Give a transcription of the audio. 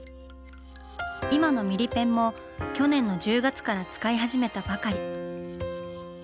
今のミリペンも去年の１０月から使い始めたばかり。